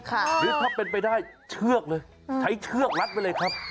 หรือถ้าเป็นไปได้เชือกเลยใช้เชือกรัดไว้เลยครับ